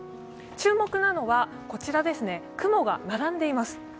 注目なのはこちら、雲が並んでいます。